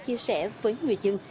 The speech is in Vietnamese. chia sẻ với người dân